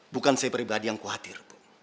bukan saya pribadi yang khawatir